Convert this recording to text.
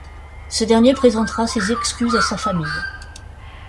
Ce dernier présentera ses excuses à sa famille.